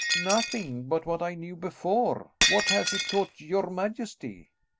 "Nothing but what I knew before. What has it taught your majesty?"